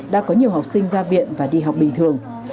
đã có nhiều học sinh ra viện và đi học bình thường